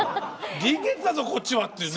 臨月だぞこっちはっていうね。